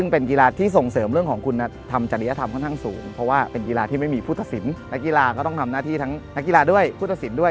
ผู้เถอะสินด้วย